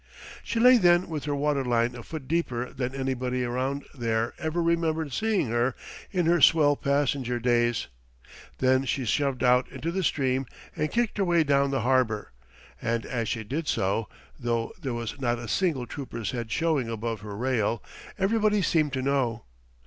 She lay then with her water line a foot deeper than anybody around there ever remembered seeing her in her swell passenger days; then she shoved out into the stream and kicked her way down the harbor, and as she did so, though there was not a single trooper's head showing above her rail, everybody seemed to know.